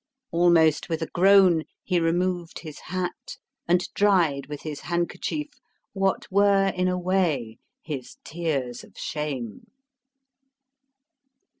Almost with a groan, he removed his hat and dried with his handkerchief what were in a way his tears of shame.